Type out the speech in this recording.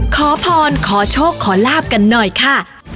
ขอพรขอโชคขอลาบกันหน่อยค่ะ